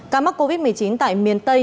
ca mắc covid một mươi chín tại miền tây